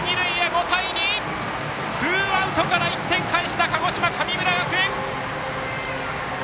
５対２、ツーアウトから１点返した鹿児島の神村学園！